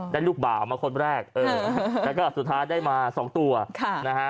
ได้ลูกบ่ามาคนแรกแล้วก็สุดท้ายได้มา๒ตัวนะฮะ